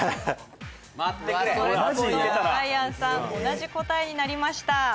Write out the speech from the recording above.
待ってくれライアンさん同じ答えになりました